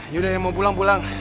yaudah mau pulang pulang